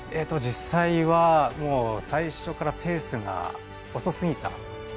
実際は、最初からペースが遅すぎた。